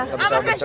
gak bisa bercetak